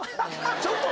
ちょっと。